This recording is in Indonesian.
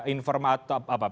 informa atau apa